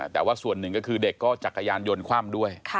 แต่ว่าส่วนหนึ่งก็คือเด็กก็จักรยานยนต์คว่ำด้วย